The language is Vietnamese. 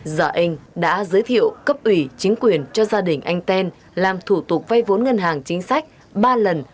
giờ anh đã giới thiệu cấp ủy chính quyền cho gia đình anh ten làm thủ tục vay vốn ngân hàng chính sách ba lần